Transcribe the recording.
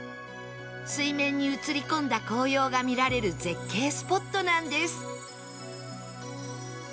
水面に映り込んだ紅葉が見られる絶景スポットなんです